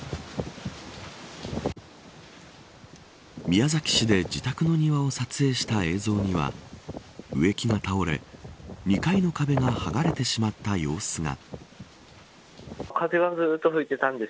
宮崎市で自宅の庭を撮影した映像には植木が倒れ２階の壁が剥がれてしまった様子が。